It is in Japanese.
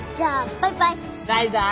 バイバイ。